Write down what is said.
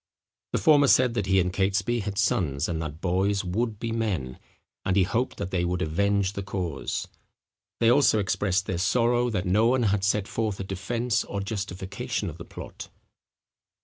The former said that he and Catesby had sons, and that boys would be men, and he hoped that they would avenge the cause. They also expressed their sorrow that no one had set forth a defence or justification of the plot.